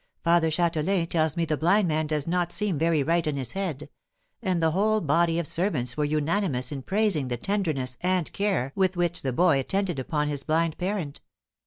Father Châtelain tells me the blind man does not seem very right in his head; and the whole body of servants were unanimous in praising the tenderness and care with which the boy attended upon his blind parent.